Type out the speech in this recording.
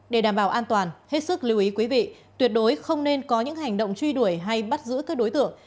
để đảm bảo an toàn hết sức lưu ý quý vị tuyệt đối không nên có những hành động truy đuổi hay bắt giữ các đối tượng